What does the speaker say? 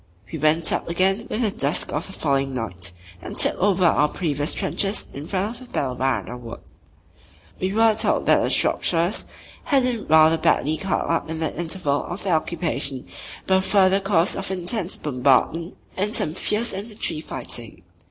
We "went up" again with the dusk of the following night and "took over" our previous trenches in front of Belle waarde Wood. We were told that the Shropshires had been rather badly cut up in the interval of their occupation by a further course of intense bombardment and some fierce infantry fighting.